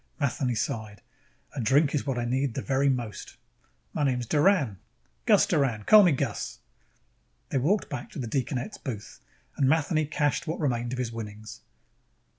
Matheny sighed. "A drink is what I need the very most." "My name's Doran. Gus Doran. Call me Gus." They walked back to the deaconette's booth and Matheny cashed what remained of his winnings.